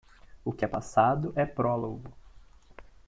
O que é passado é prólogo